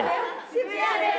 渋谷です。